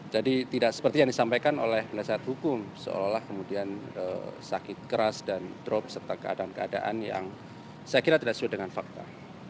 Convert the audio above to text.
jadi tidak seperti yang disampaikan oleh pendasar hukum seolah olah kemudian sakit keras dan drop serta keadaan keadaan yang saya kira tidak sesuai dengan fakta